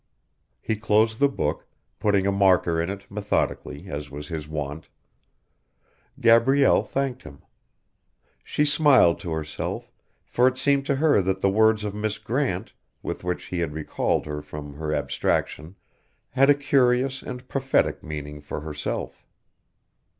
He closed the book, putting a marker in it methodically, as was his wont. Gabrielle thanked him. She smiled to herself, for it seemed to her that the words of Miss Grant with which he had recalled her from her abstraction had a curious and prophetic meaning for herself.